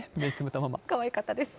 かわいかったです。